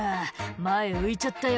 「前浮いちゃったよ